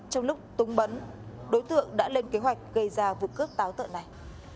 trong lúc túng bấn đối tượng đã lên kế hoạch gây ra vụ cướp táo tợn này